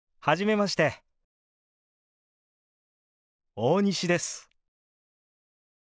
大西です。